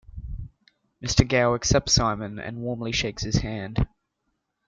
Mr. Gao accepts Simon and warmly shakes his hand.